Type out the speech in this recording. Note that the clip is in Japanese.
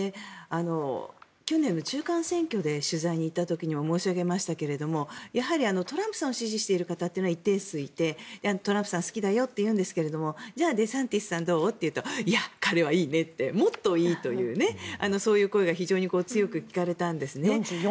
去年の中間選挙で取材に行った時に申し上げましたけどもトランプさんを支持している方は一定数いてトランプさん好きだよと言うんですけどじゃあデサンティスさんどう？というといや、彼はいいねってもっといいというそういう声が非常に強く聞かれたんですね。